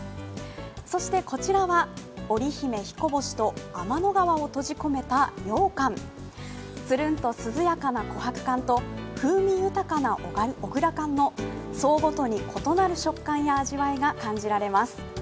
そしてこちらは織姫・ひこ星と天の川を閉じ込めた羊羹、つるんと涼やかな琥珀羹と風味豊かな小倉羹の層ごとに異なる食感や味わいが感じられます。